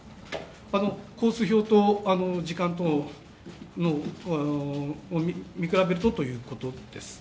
コース表と時間とを見比べるとということです。